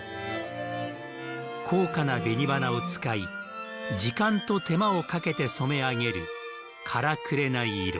高価な紅花を使い、時間と手間をかけて染め上げる唐紅色。